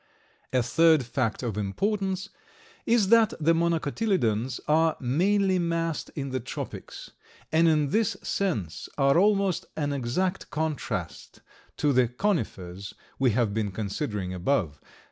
A third fact of importance is that the Monocotyledons are mainly massed in the tropics, and in this sense are almost an exact contrast to the Conifers we have been considering above.